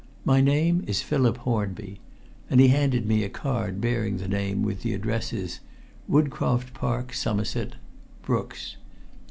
My name is Philip Hornby," and he handed me a card bearing the name with the addresses "Woodcroft Park, Somerset Brook's."